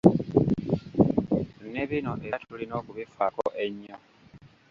Ne bino era tulina okubifaako ennyo.